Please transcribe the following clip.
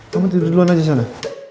kamu tidur duluan aja sana